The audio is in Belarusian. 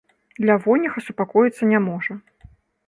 Лявоніха супакоіцца не можа.